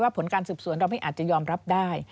ผลการสืบสวนเราไม่อาจจะยอมรับได้